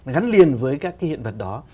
gắn liền với các cái hiện vật đó